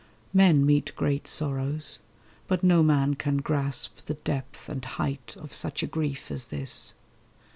Men meet great sorrows; but no man can grasp The depth, and height, of such a grief as this.